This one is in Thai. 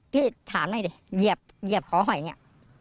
พี่ถามหน่อยดิเหยียบเหยียบขอหอยอย่างนี้